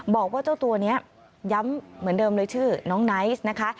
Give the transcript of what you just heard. บอกว่าเจ้าตัวนี้ย้ำเหมือนเดิมเลยชื่อน้องไนท์นะคะ